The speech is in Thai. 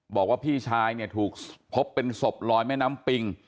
บอกว่าพี่ชายเนี่ยถูกพบเป็นศพลอยแม่น้ำปิง